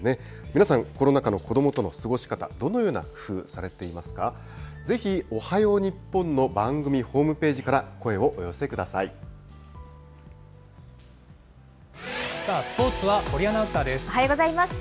皆さん、コロナ禍の子どもとの過ごし方、どのような工夫、されていますか、ぜひおはよう日本の番組ホームページから、声をお寄せスポーツは堀アナウンサーでおはようございます。